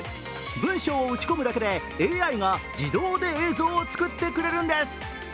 文章を打ち込むだけでＡＩが自動で映像を作ってくれるんです。